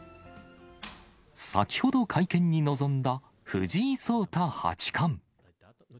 先ほど会見に臨んだ藤井聡太八冠。